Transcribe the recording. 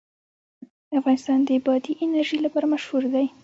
افغانستان د بادي انرژي لپاره مشهور دی.